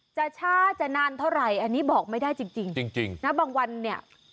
จะช้าจะนานเท่าไหร่อันนี้บอกไม่ได้จริงจริงนะบางวันเนี่ย